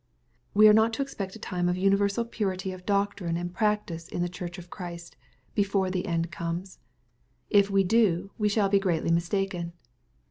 We are not to expect a time of universal purity of MATTHEW, CHAP. XXIV. 815 doctrine and practice in the Church of Christ, before the end" ccmes. If we do, we shall be greatly mistaken.